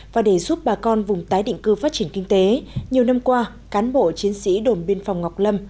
và để giúp bà con vùng tái định cư phát triển kinh tế nhiều năm qua cán bộ chiến sĩ đồn biên phòng ngọc lâm